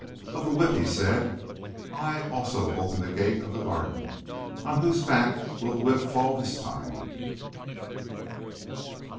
"Of the whip!" he said. "I also opened the gate of the Garden. On whose back will the whip fall this time?"